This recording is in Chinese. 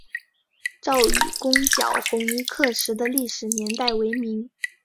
赵纾攻剿红夷刻石的历史年代为明。